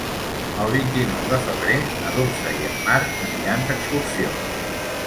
El vint-i-nou de febrer na Dolça i en Marc aniran d'excursió.